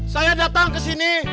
saya datang kesini